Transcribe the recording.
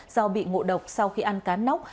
do bị ngộ độc sau khi ăn cá nóc